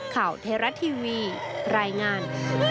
ข่าวเทราะห์ทีวีรายงาน